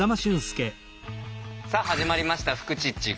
さあ始まりました「フクチッチ」。